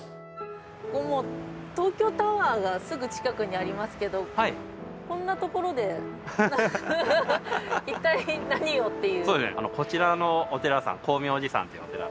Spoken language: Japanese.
東京タワーがすぐ近くにありますけどこんなところで一体何をっていう。